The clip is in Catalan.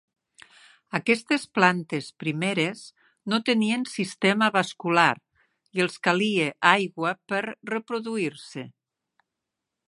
Aquestes plantes primeres no tenien sistema vascular i els calia aigua per reproduir-se.